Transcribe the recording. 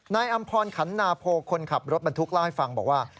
อำพรขันนาโพคนขับรถบรรทุกเล่าให้ฟังบอกว่า